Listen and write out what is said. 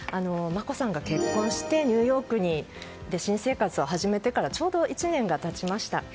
眞子さんが結婚してニューヨークで新生活を始めてからちょうど１年が経ちました。